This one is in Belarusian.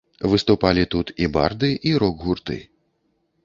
Выступалі тут і барды, і рок-гурты.